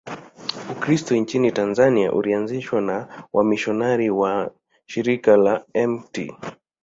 Ukristo nchini Tanzania ulianzishwa na wamisionari wa Shirika la Mt.